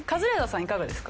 いかがですか？